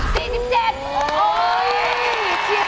เฉียบเฉียบ